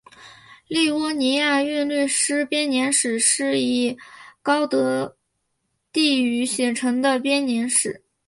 利沃尼亚韵律诗编年史是以高地德语写成的编年史。